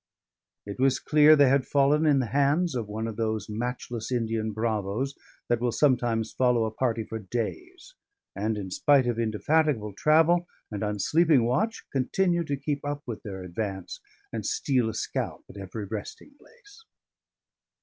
It was clear they had fallen in the hands of one of those matchless Indian bravos, that will sometimes follow a party for days, and in spite of indefatigable travel, and unsleeping watch, continue to keep up with their advance, and steal a scalp at every resting place.